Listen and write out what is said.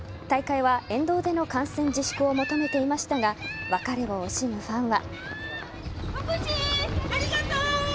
大会は、沿道での観戦自粛を求めていましたが別れを惜しむファンは。